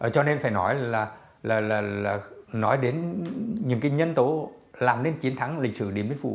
cho nên phải nói là là là là nói đến những cái nhân tố làm nên chiến thắng lịch sử điện biên phủ